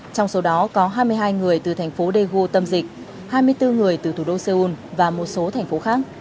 trong số đó có hai mươi hai người từ thành phố daegu tâm dịch hai mươi bốn người từ thủ đô seoul và một số thành phố khác